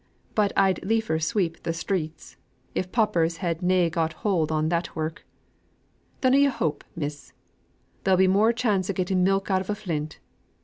But I'd liefer sweep th' streets, if paupers had na' got hold on that work. Dunna yo' hope, miss. There'll be more chance o' getting milk out of a flint.